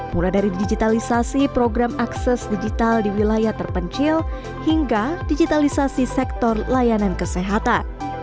mulai dari digitalisasi program akses digital di wilayah terpencil hingga digitalisasi sektor layanan kesehatan